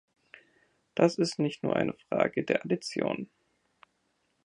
Das ist nicht nur eine Frage der Addition.